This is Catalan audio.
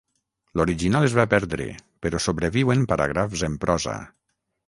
L'original es va perdre però sobreviuen paràgrafs en prosa.